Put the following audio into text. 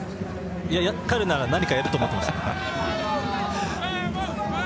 いや、彼なら何かやると思ってました。